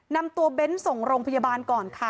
นำตัวเบ้นส่งโรงพยาบาลก่อนค่ะ